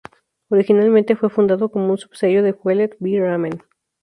Originalmente fue fundado como un subsello de Fueled by Ramen.